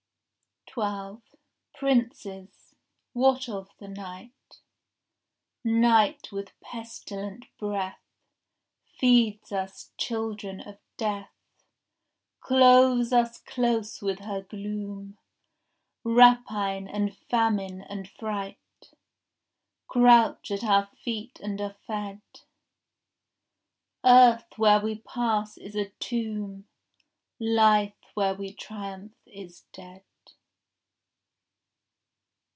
12 Princes, what of the night?— Night with pestilent breath Feeds us, children of death, Clothes us close with her gloom. Rapine and famine and fright Crouch at our feet and are fed. Earth where we pass is a tomb, Life where we triumph is dead.